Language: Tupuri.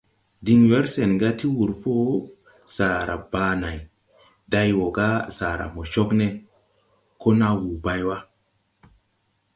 Din wer sen ga ti wurpɔ sara baa nay, day wɔ ga sara mo cog ne, ko na wuu bay wa.